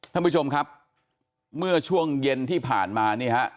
ท่านผู้ชมครับเมื่อช่วงเย็นที่ผ่านมานี่ฮะ